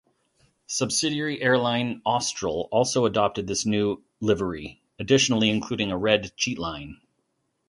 Subsidiary airline Austral also adopted this new livery, additionally including a red cheatline.